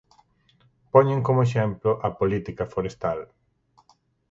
Poñen como exemplo a política forestal.